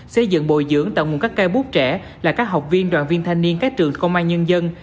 xây dựng bồi dưỡng tạo nguồn các cây bút trẻ là các học viên đoàn viên thanh niên các trường công an nhân dân